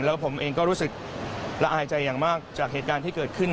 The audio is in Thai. แล้วผมเองก็รู้สึกละอายใจอย่างมากจากเหตุการณ์ที่เกิดขึ้น